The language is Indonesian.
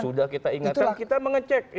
sudah kita ingatkan kita mengecek